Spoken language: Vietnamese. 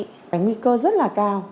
cái nguy cơ rất là cao